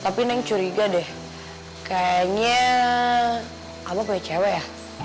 tapi neng curiga deh kayaknya apa punya cewek ya